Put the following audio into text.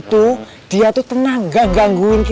eh udah ini bener dong asyik